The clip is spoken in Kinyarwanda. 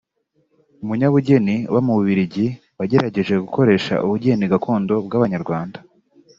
umunyabugeni uba mu Bubiligi wagerageje gukoresha ubugeni gakondo bw’Abanyarwanda